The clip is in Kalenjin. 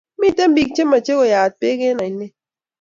Miten pik che mache keyat peek en oinet